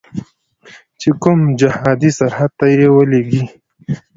چې کوم جهادي سرحد ته یې ولیږي.